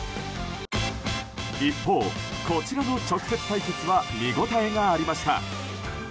一方、こちらの直接対決は見応えがありました。